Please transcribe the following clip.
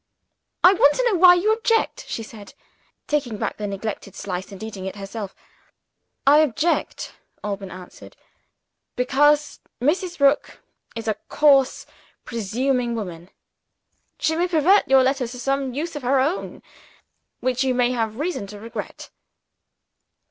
"I want to know why you object," she said; taking back the neglected slice, and eating it herself. "I object," Alban answered, "because Mrs. Rook is a coarse presuming woman. She may pervert your letter to some use of her own, which you may have reason to regret."